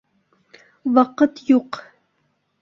Ваҡыт юҡ!